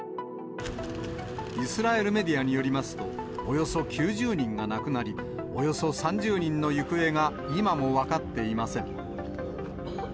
イスラエルメディアによりますと、およそ９０人が亡くなり、およそ３０人の行方が今も分かっていません。